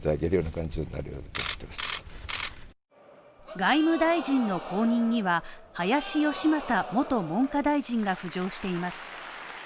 外務大臣の後任には、林芳正元文科大臣が浮上しています。